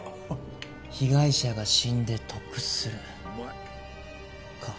被害者が死んで得するか。